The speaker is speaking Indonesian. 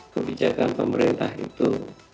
kebijakan pemerintah itu